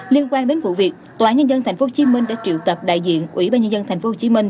liên quan đến vụ việc tòa án nhân dân tp hcm đã triệu tập đại diện ủy ban nhân dân tp hcm